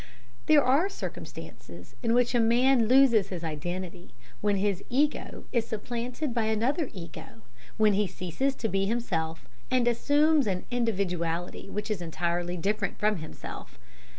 There are circumstances in which a man loses his identity, when his "ego" is supplanted by another ego, when he ceases to be himself, and assumes an individuality which is entirely different from himself.